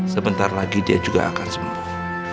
sebentar lagi dia juga akan sembuh